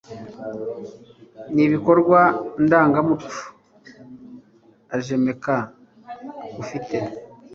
n Ibikorwa Ndangamuco AJEMAC ufite